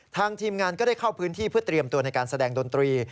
ทีมงานก็ได้เข้าพื้นที่เพื่อเตรียมตัวในการแสดงดนตรี